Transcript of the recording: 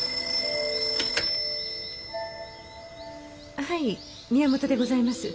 ☎はい宮本でございます。